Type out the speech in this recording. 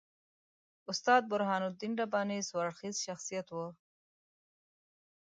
استاد برهان الدین رباني څو اړخیز شخصیت وو.